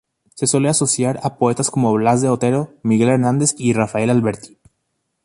Se suele asociar a poetas como Blas de Otero, Miguel Hernández y Rafael Alberti.